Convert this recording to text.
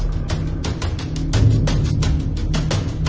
แล้วก็พอเล่ากับเขาก็คอยจับอย่างนี้ครับ